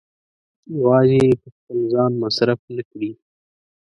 يوازې يې په خپل ځان مصرف نه کړي.